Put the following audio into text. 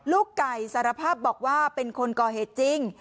ลูกไก่สารภาพบอกว่าเป็นคนก่อเหตุจริง